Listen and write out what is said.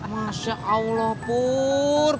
masya allah bur